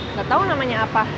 nggak tau namanya apa